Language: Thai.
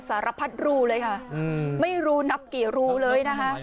สารพัดรูเลยค่ะไม่รู้นับกี่รูเลยนะคะ